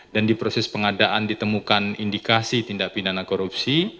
dan di proses pengadaan ditemukan indikasi tindak pidana korupsi